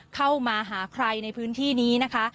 เข้ามาหาใครในพื้นที่นี้นะคะ